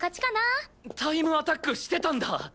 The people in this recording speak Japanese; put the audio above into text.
タイムアタックしてたんだ。